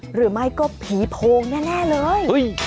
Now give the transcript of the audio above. หรือไม่ก็ผีโพงแน่เลย